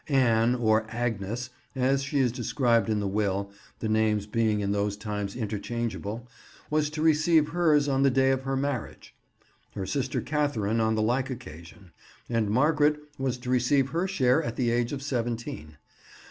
Anne, or "Agnes," as she is described in the will, the names being in those times interchangeable, was to receive hers on the day of her marriage; her sister Catherine on the like occasion; and Margaret was to receive her share at the age of seventeen.